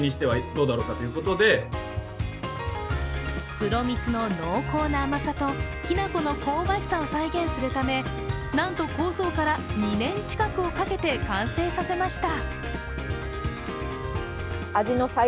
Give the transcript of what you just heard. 黒蜜の濃厚な甘さときな粉の香ばしさを再現するためなんと構想から２年近くをかけて完成させました。